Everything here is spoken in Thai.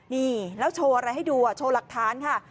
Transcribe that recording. นี่แล้วโชว์อะไรให้ดูโชว์หลักฐานค่ะ